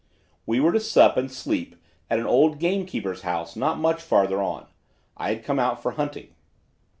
"We were to sup and sleep at an old gamekeeper's house not much farther on. I had come out for hunting.